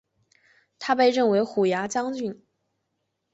他被任为虎牙将军。